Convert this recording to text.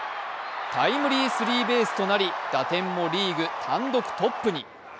タイムリースリーベースとなり打点もリーグ単独トップに。